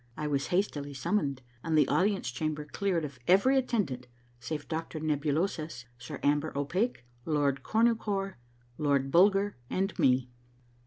I was has tily summoned and the audience chamber cleared of every attendant save Doctor Nebulosus, Sir Amber O'Pake, Lord Cornucore, Lord Bulger, and me.